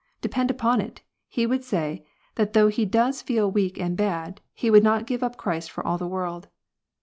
Depend upon it, he fctvould say, that though he does feel weak and bad, he would not give up Christ for all the world.